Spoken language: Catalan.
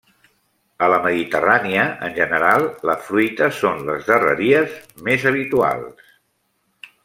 A la mediterrània en general la fruita són les darreries més habituals.